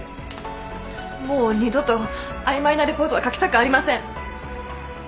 もう二度と曖昧なレポートは書きたくありません。